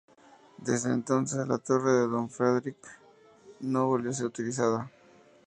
Desde entonces la Torre de don Fadrique no volvió a ser utilizada.